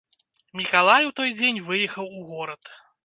Мікалай у той дзень выехаў у горад.